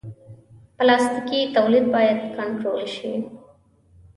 پلاستيکي تولید باید کنټرول شي.